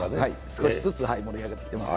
少しずつ盛り上がってきています。